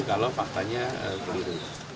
kalau faktanya keliru